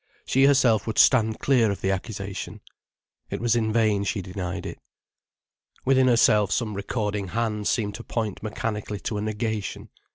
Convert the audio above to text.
She herself would stand clear of the accusation. It was in vain she denied it. Within herself some recording hand seemed to point mechanically to a negation.